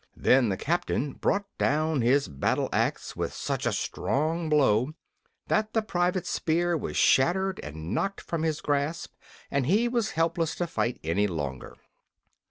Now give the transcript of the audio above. Then the captain brought down his battle axe with such a strong blow that the private's spear was shattered and knocked from his grasp, and he was helpless to fight any longer.